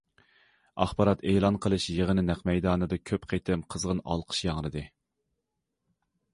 ئاخبارات ئېلان قىلىش يىغىنى نەق مەيدانىدا كۆپ قېتىم قىزغىن ئالقىش ياڭرىدى.